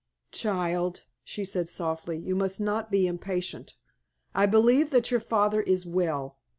"Child," she said, softly, "you must not be impatient. I believe that your father is well.